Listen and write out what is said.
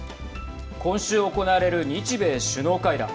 今週行われる日米首脳会談。